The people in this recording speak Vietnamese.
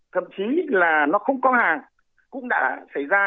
thậm chí là nó không có hàng cũng đã xảy ra